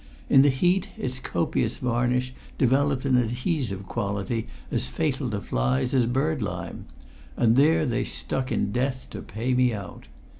In the heat its copious varnish developed an adhesive quality as fatal to flies as bird lime, and there they stuck in death to pay me out.